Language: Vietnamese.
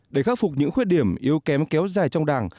để khắc phục những khuyết điểm yếu kém kéo dài trong đảng